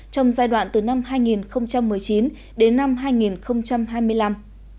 trong giai đoạn từ năm hai nghìn một mươi chín đến năm hai nghìn hai mươi năm